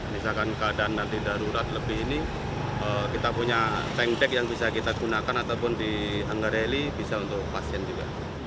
misalkan keadaan nanti darurat lebih ini kita punya tank deck yang bisa kita gunakan ataupun di anggareli bisa untuk pasien juga